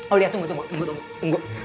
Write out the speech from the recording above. aulia tunggu tunggu